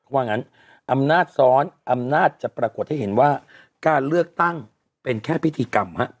ว่างั้นอำนาจซ้อนอำนาจจะปรากฏให้เห็นว่าการเลือกตั้งเป็นแค่พิธีกรรมฮะ